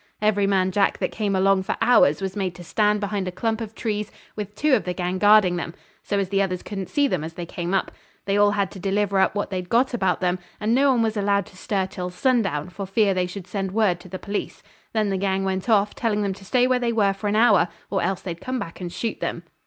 Every man Jack that came along for hours was made to stand behind a clump of trees with two of the gang guarding them, so as the others couldn't see them as they came up. They all had to deliver up what they'd got about 'em, and no one was allowed to stir till sundown, for fear they should send word to the police. Then the gang went off, telling them to stay where they were for an hour or else they'd come back and shoot them.